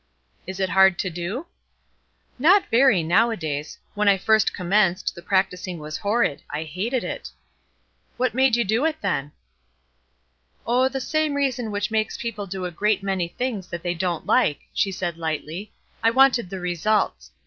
"Is it hard to do?" "Not very, nowadays. When I first commenced, the practising was horrid; I hated it." "What made you do it, then?" "Oh, the same reason which makes people do a great many things that they don't like," she said, lightly; "I wanted the results.